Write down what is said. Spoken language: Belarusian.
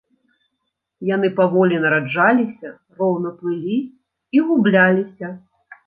Яны паволі нараджаліся, роўна плылі і губляліся.